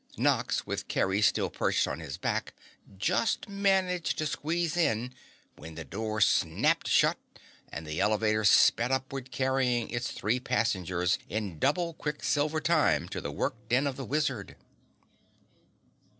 Nox, with Kerry still perched on his back, just managed to squeeze in, when the door snapped shut and the elevator sped upward carrying its three passengers in double quicksilver time to the work den of the wizard.